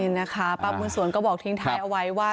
นี่นะคะป้าบุญสวนก็บอกทิ้งท้ายเอาไว้ว่า